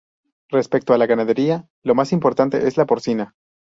Respecto a la ganadería, la más importante es la porcina.